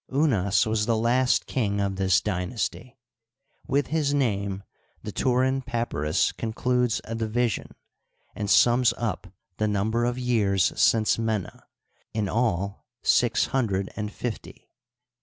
Unas was the last king of this dynasty. With his name the Turin Papyrus concludes a division, and sums up the number of years since Mena, in all six hundred ana fifty.